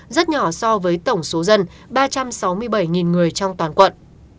rất nhỏ so với tổng số dân ba trăm sáu mươi bảy người trong toàn quận